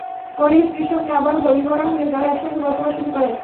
পরে স্ত্রীর সঙ্গে আবারও বনিবনা হলে তাঁরা একসঙ্গে বসবাস শুরু করেন।